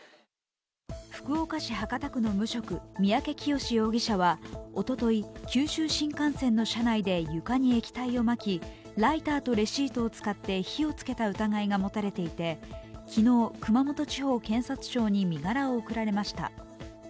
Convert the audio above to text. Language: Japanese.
福岡市博多区の無職、三宅潔容疑者はおととい九州新幹線の車内で床に液体をまきライターとレシートを使って火をつけた疑いが持たれていて昨日、熊本地方検察庁に身柄を送られました。